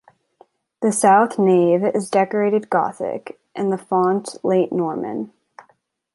The south nave is decorated gothic, and the font late Norman.